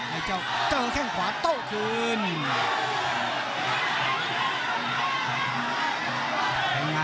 ให้เจ้าแข่งขวาโต้คืน